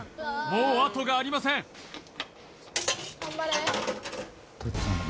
もう後がありませんどっちだ？